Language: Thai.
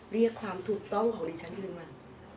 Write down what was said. เรียกความถูกต้องของดิฉันคืนมา